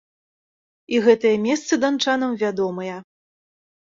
І гэтыя месцы данчанам вядомыя.